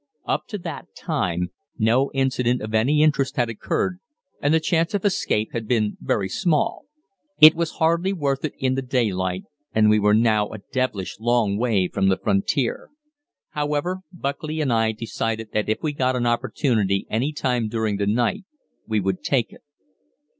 Up to that time no incident of any interest had occurred, and the chance of escape had been very small. It was hardly worth it in the daylight, and we were now a devilish long way from the frontier. However, Buckley and I decided that if we got an opportunity any time during the night we would take it.